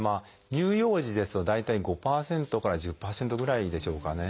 乳幼児ですと大体５％から１０％ぐらいでしょうかね。